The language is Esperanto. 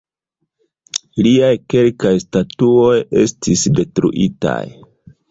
Liaj kelkaj statuoj estis detruitaj.